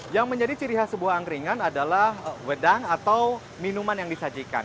yang menjadi ciri khas sebuah angkringan adalah wedang atau minuman yang disajikan